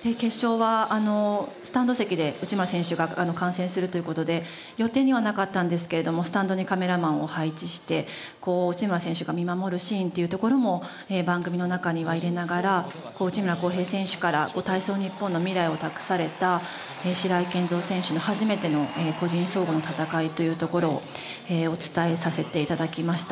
決勝はスタンド席で内村選手が観戦するという事で予定にはなかったんですけれどもスタンドにカメラマンを配置して内村選手が見守るシーンっていうところも番組の中には入れながら内村航平選手から体操ニッポンの未来を託された白井健三選手の初めての個人総合の戦いというところをお伝えさせて頂きました。